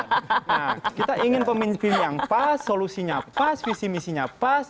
nah kita ingin pemimpin yang pas solusinya pas visi misinya pas